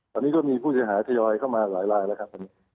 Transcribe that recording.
ตอนนี้ก็มีผู้เสียหายทยอยเข้ามาหลายลายแล้วครับ